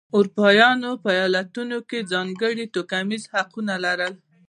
اروپایانو په ایالتونو کې ځانګړي او توکمیز حقونه لرل.